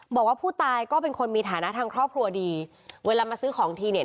บอกว่าผู้ตายก็เป็นคนมีฐานะทางครอบครัวดีเวลามาซื้อของทีเนี่ย